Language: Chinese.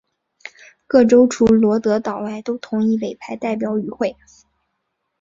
各州除罗德岛外都同意委派代表与会。